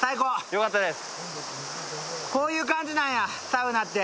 よかったです。